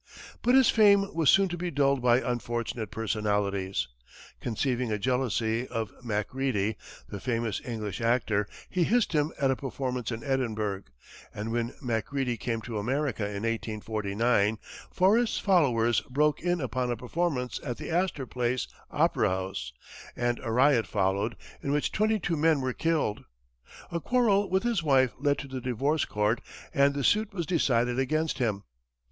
But his fame was soon to be dulled by unfortunate personalities. Conceiving a jealousy of Macready, the famous English actor, he hissed him at a performance in Edinburgh, and when Macready came to America in 1849, Forrest's followers broke in upon a performance at the Astor Place opera house, and a riot followed in which twenty two men were killed. A quarrel with his wife led to the divorce court, and the suit was decided against him.